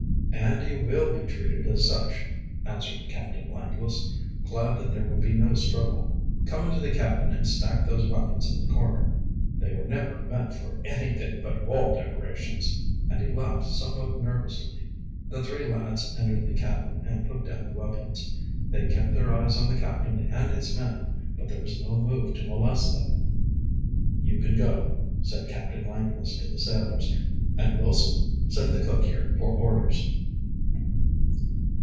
"And you will be treated as such," answered Captain Langless, glad that there would be no struggle. "Come into the cabin and stack those weapons in the corner. They were never meant for anything but wall decorations," and he laughed somewhat nervously. The three lads entered the cabin and put down the weapons. They kept their eyes on the captain and his men, but there was no move to molest them. "You can go," said Captain Langless to the sailors. "And, Wilson, send the cook here for orders."